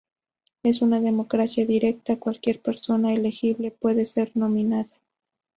En una democracia directa, cualquier persona elegible puede ser nominada.